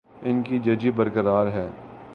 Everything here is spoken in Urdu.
ان کی ججی برقرار ہے۔